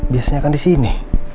biasanya kan di sini